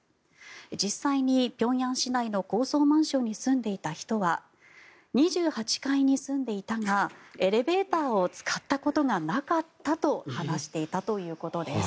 実際に平壌市内の高層マンションに住んでいた人は２８階に住んでいたがエレベーターを使ったことがなかったと話していたということです。